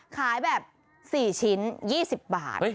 ขายแบบ๔ชิ้น๒๐บาท